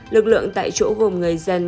lực lượng tại chỗ gồm người dân